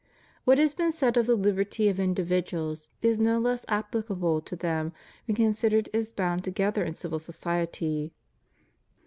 What has been said of the Uberty of individuals is no less applicable to them when considered as bound to gether in civil society.